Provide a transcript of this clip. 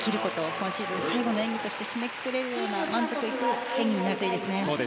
今シーズン、最後の演技として締めくくれるような満足いく演技になるといいですね。